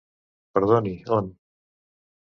Perdoni, on